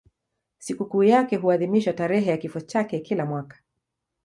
Sikukuu yake huadhimishwa tarehe ya kifo chake kila mwaka.